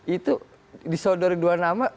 itu disodor dua nama